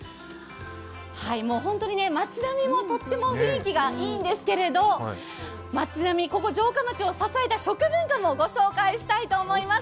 もう本当に町並みもとっても雰囲気がいいんですけれども、町並み、ここ城下町を支えた食文化もご紹介したいと思います。